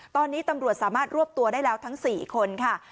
ตอนนี้ตำรวจสามารถรวบตัวได้แล้วทั้ง๔คนค่ะ